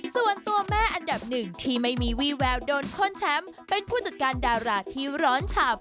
ส่วนตัวแม่อันดับหนึ่งที่ไม่มีวี่แววโดนโค้นแชมป์เป็นผู้จัดการดาราที่ร้อนฉ่ำ